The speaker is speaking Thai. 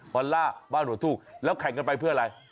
พอลล่าบ้านหัวทุ่งแล้วแข่งกันไปเพื่ออะไร